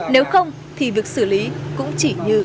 nếu không thì việc xử lý cũng chỉ như